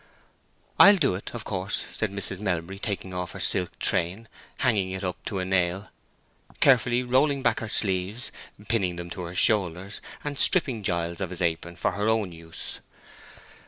"I'll do it, of course," said Mrs. Melbury, taking off her silk train, hanging it up to a nail, carefully rolling back her sleeves, pinning them to her shoulders, and stripping Giles of his apron for her own use.